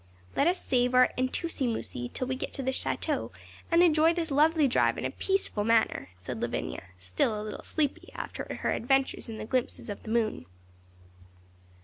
'Let us save our "entusymusy" till we get to the château, and enjoy this lovely drive in a peaceful manner,' said Lavinia, still a little sleepy after her adventures in the glimpses of the moon.